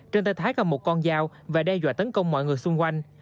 trên tay thái cầm một con dao và đe dọa tấn công mọi người xung quanh